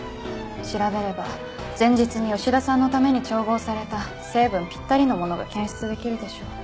調べれば前日に吉田さんのために調合された成分ピッタリのものが検出できるでしょう。